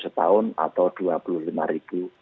setahun atau dua puluh lima ribu